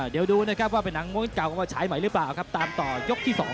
เดี๋ยวดูนะครับว่าเป็นหนังเมืองเก่าหรือเปล่าตามต่อยกที่๒